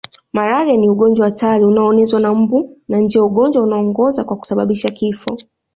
Malaria ni ugonjwa hatari unaonezwa na mbu na ndio ugonjwa unaoongoza kwa kusababisha vifo